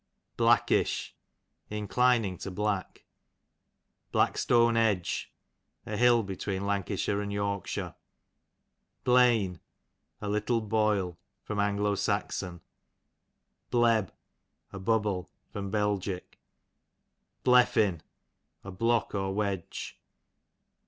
Blackish, inclining to black. Blackstone edge, a hill between Lancashire and Yorkshire. Blain, a little boil. A. S. Bleb, a bubble. Bel. Bleffin, a block or icedge.